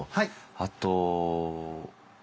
あと。